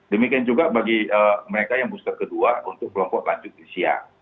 demikian juga bagi mereka yang booster kedua untuk kelompok lanjut usia